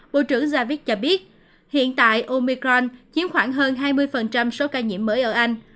bộ trưởng javik cho biết hiện tại omicron chiếm khoảng hơn hai mươi số ca nhiễm mới ở anh